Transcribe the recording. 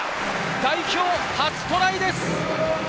代表初トライです！